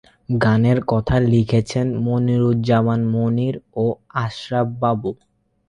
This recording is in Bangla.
গানের কথা লিখেছেন মনিরুজ্জামান মনির ও আশরাফ বাবু।